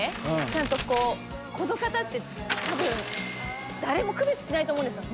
ちゃんとこう海諒㈭辰多分誰も区別しないと思うんですよ。